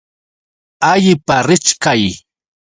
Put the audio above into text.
Allipa richkay.